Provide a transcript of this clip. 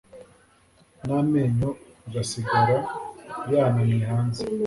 namenyo agasigara yanamye hanze